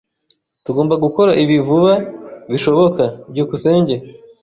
Tugomba gukora ibi vuba bishoboka. byukusenge